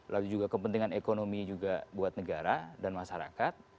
lalu juga kepentingan ekonomi juga buat negara dan masyarakat